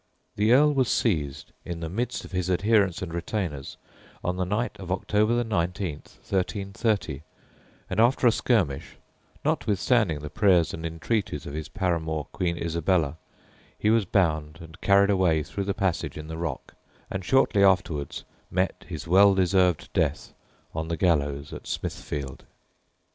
The Earl was seized in the midst of his adherents and retainers on the night of October 19th, 1330, and after a skirmish, notwithstanding the prayers and entreaties of his paramour Queen Isabella, he was bound and carried away through the passage in the rock, and shortly afterwards met his well deserved death on the gallows at Smithfield.